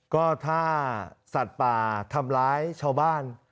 ก็ถ้าสัตว์ป่าทำร้ายชาวบ้าน